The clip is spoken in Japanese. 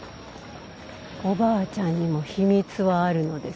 おばあちゃんにも秘密はあるのです。